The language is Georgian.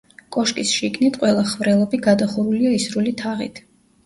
კოშკის შიგნით ყველა ხვრელობი გადახურულია ისრული თაღით.